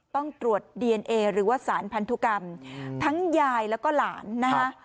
ต้องตรวจดีเอนเอหรือว่าสารพันธุกรรมทั้งยายแล้วก็หลานนะคะ